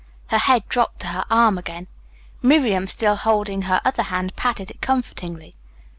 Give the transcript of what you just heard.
Her head dropped to her arm again. Miriam, still holding her other hand, patted it comfortingly.